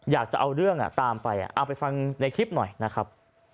อยากจะเอาเรื่องตามไปเอาไปฟังในคลิปหน่อยนะครับ